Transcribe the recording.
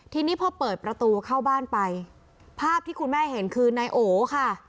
ทีนี้พอเปิดประตูเข้าบ้านไปภาพที่คุณแม่เห็นคือนายโอค่ะ